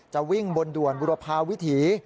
จะวิ่งบนด่วนบุรพาวิถี